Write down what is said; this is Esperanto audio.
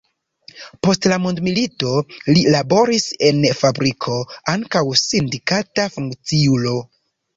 Post la mondomilito li laboris en fabriko, ankaŭ sindikata funkciulo.